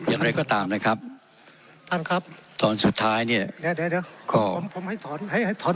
ยังไงก็ตามนะครับท่านครับตอนสุดท้ายเนี้ยเดี๋ยวเดี๋ยวเดี๋ยว